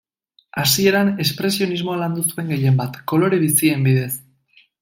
Hasieran, espresionismoa landu zuen gehienbat, kolore bizien bidez.